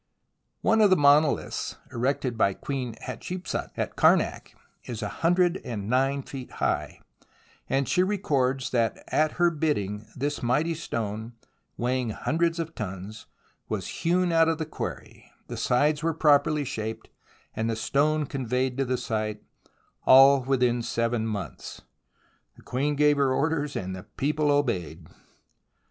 One of the monoliths erected by Queen Hatshep sut, at Karnak, is 109 feet high, and she records that at her bidding this mighty stone, weighing hundreds of tons, was hewn out of the quarry, the sides were properly shaped, and the stone conveyed to the site, all within seven months. The Queen gave her orders, and the people obeyed.